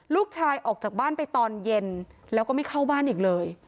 ลูกชายออกจากบ้านไปตอนเย็นแล้วก็ไม่เข้าบ้านอีกเลย